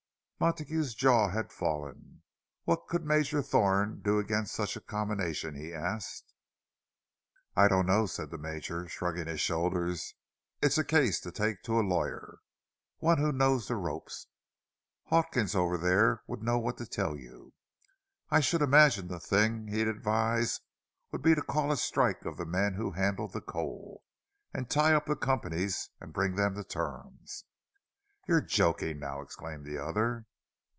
Montague's jaw had fallen. "What could Major Thorne do against such a combination?" he asked. "I don't know," said the Major, shrugging his shoulders. "It's a case to take to a lawyer—one who knows the ropes. Hawkins over there would know what to tell you. I should imagine the thing he'd advise would be to call a strike of the men who handle the coal, and tie up the companies and bring them to terms." "You're joking now!" exclaimed the other.